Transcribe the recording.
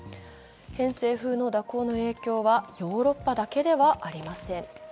偏西風の蛇行の影響はヨーロッパだけではありません。